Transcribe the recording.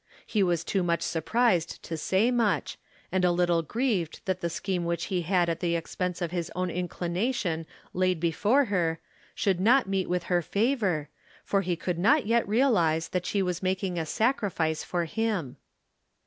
He was too much surprised to say much, and a little grieved that the scheme which he had at the expense of his own inclination laid before her should not meet with her favor, for he could not yet realize that she was making a sacrifice for him.